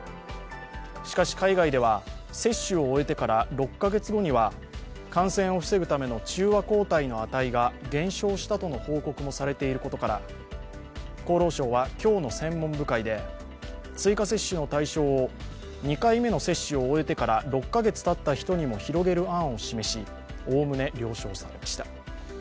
しかし、海外では接種を終えてから６カ月後には感染を防ぐための中和抗体の値が減少したとの報告もされていることから、厚労省は今日の専門部会で追加接種の対象を２回目の接種を終えてから６カ月たった人にも広げる案を示し、おおむね了承されました。